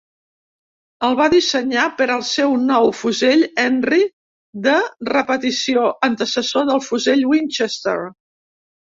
El va dissenyar per al seu nou fusell Henry de repetició, antecessor del fusell Winchester.